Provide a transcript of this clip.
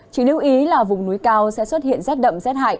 chỉ lưu ý là vùng núi cao sẽ xuất hiện rét đậm rét hại